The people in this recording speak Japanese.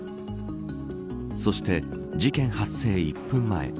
そして事件発生１分前。